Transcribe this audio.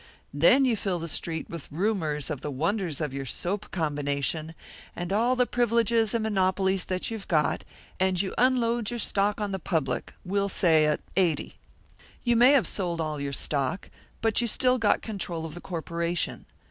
Then you fill the street with rumours of the wonders of your soap combination, and all the privileges and monopolies that you've got, and you unload your stock on the public, we'll say at eighty. You may have sold all your stock, but you've still got control of the corporation.